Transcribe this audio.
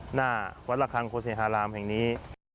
หน้าวัดระคังโฆษารามแห่งนี้